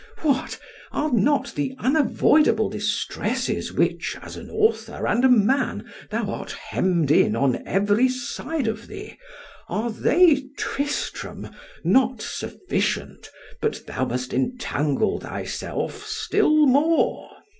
What! are not the unavoidable distresses with which, as an author and a man, thou art hemm'd in on every side of thee——are they, Tristram, not sufficient, but thou must entangle thyself still more?